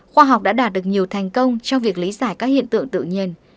khoa học đã đạt được nhiều thành công trong việc lý giải các hiện tượng tự nhiên